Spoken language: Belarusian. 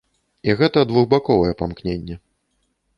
І гэта двухбаковае памкненне.